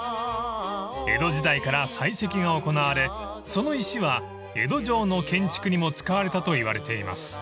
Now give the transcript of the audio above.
［江戸時代から採石が行われその石は江戸城の建築にも使われたといわれています］